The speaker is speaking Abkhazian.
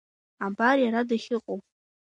Абар иара дахьыҟоу!